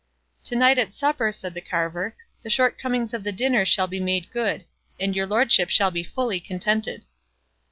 "To night at supper," said the carver, "the shortcomings of the dinner shall be made good, and your lordship shall be fully contented."